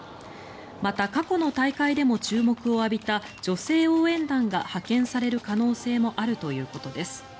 また、過去の大会でも注目を浴びた女性応援団が派遣される可能性もあるということです。